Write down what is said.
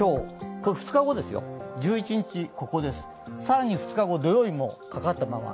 これ、２日後ですよ、１１日、ここです、更に２日、土曜日もかかったまま。